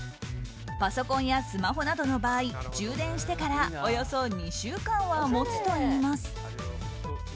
パソコンやスマホなどの場合充電してからおよそ２週間は持つといいます。